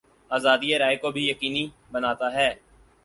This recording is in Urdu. آزادیٔ رائے کو بھی یقینی بناتا ہے۔